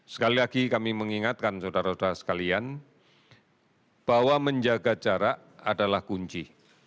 sekali lagi kami mengingatkan saudara saudara sekalian bahwa menjaga jarak adalah kunci